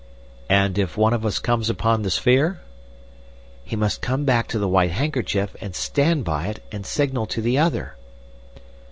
"And if one of us comes upon the sphere?" "He must come back to the white handkerchief, and stand by it and signal to the other."